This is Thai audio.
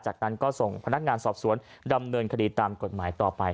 จากนั้นก็ส่งพนักงานสอบสวนดำเนินคดีตามกฎหมายต่อไป